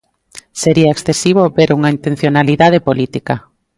Sería excesivo ver unha intencionalidade política.